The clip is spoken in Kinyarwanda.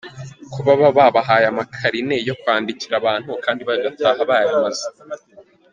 Ko baba babahaye amakarine yo kwandikira abantu kandi bagataha bayamaze.